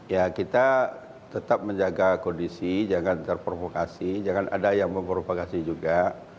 ya kita tetap menjaga kondisi jangan terprovokasi jangan ada yang memprovokasi juga